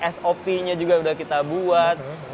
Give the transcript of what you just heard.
sop nya juga sudah kita buat